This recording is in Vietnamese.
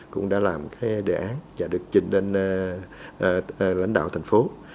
cũng đã làm cái đề án và được trình lên lãnh đạo thành phố